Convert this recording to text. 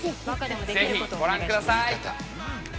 ぜひ、ご覧ください！